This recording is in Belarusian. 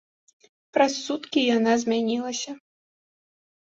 Праз суткі яна змянілася.